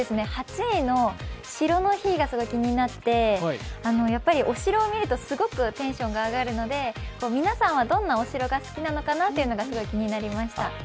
８位の城の日がすごい気になってお城を見るとすごくテンションが上がるので皆さんはどんなお城が好きなのかなというのがすごい気になりました。